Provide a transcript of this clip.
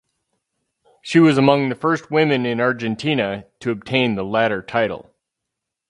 She was among the first women in Argentina to obtain the latter title.